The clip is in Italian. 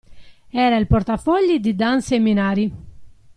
Era il portafogli di Dan Seminari.